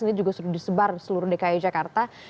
ini juga sudah disebar di seluruh dki jakarta